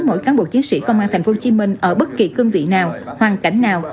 mỗi cán bộ chiến sĩ công an tp hcm ở bất kỳ cương vị nào hoàn cảnh nào